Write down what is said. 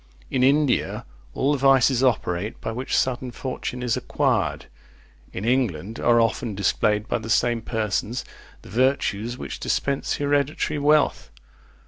In India all the vices operate by which sudden fortune is acquired; in England are often displayed by the same persons, the virtues which dispense hereditary wealth.